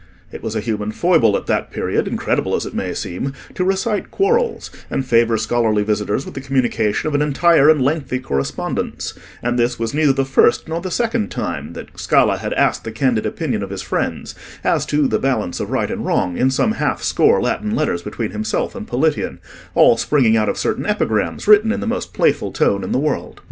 It was a human foible at that period (incredible as it may seem) to recite quarrels, and favour scholarly visitors with the communication of an entire and lengthy correspondence; and this was neither the first nor the second time that Scala had asked the candid opinion of his friends as to the balance of right and wrong in some half score Latin letters between himself and Politian, all springing out of certain epigrams written in the most playful tone in the world.